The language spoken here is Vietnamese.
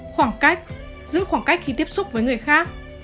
khoảng cách giữ khoảng cách khi tiếp xúc với người khác